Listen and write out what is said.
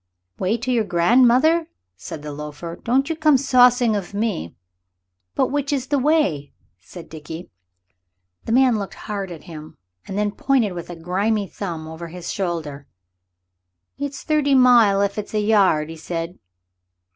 "Way to your grandmother," said the loafer; "don't you come saucing of me." "But which is the way?" said Dickie. The man looked hard at him and then pointed with a grimy thumb over his shoulder. "It's thirty mile if it's a yard," he said.